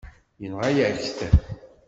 Yenɣa-yak-t.